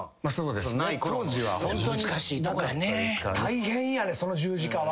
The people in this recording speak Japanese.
大変やねその十字架は。